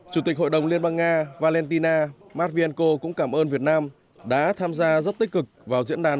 chủ tịch hội đồng liên bang nga valentina matvienko cũng cảm ơn việt nam đã tham gia rất tích cực vào diễn đàn